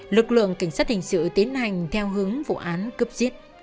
lực lượng cảnh sát hình sự tiến hành theo hướng vụ án cướp giết